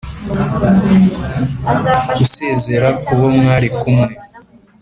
usezera ku bo mwari kumwe,